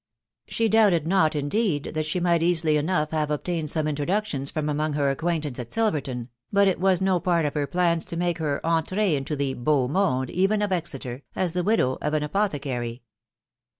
* She doubted not, indeed, fhat she might easily enough haws obtained some introductions from among her acquaintance at Silverton, but it was no part of her plans to make fcer ent*6g into Uhe beau monde, even of Exeter, as the widow of an apo thecary.